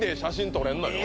撮れんのよ